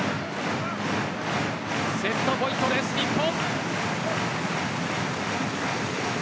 セットポイントです、日本。